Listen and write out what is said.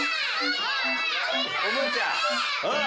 おもちゃ？